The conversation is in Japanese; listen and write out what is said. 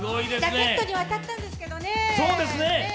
ラケットには当たったんですけどね。